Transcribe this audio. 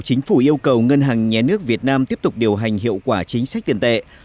chính phủ yêu cầu ngân hàng nhé nước việt nam tiếp tục điều hành hiệu quả chính sách tiền tệ